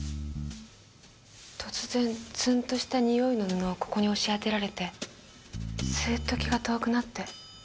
突然ツンとしたにおいの布をここに押し当てられてスーッと気が遠くなって。